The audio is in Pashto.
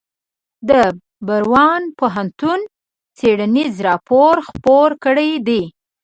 د براون پوهنتون څیړنیز راپور خپور کړی دی.